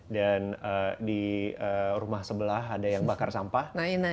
dan di rumah sebelah ada yang bakar sampah